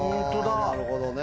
あなるほどね。